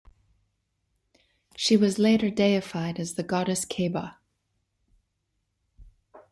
She was later deified as the goddess Kheba.